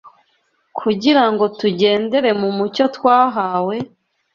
kugira ngo tugendere mu mucyo twahawe,